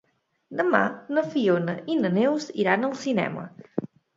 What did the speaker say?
Demà na Fiona i na Neus iran al cinema.